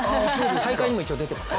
大会にも一応、出てます。